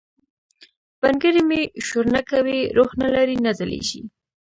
بنګړي مي شورنه کوي، روح نه لری، نه ځلیږي